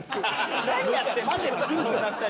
何やってんだよ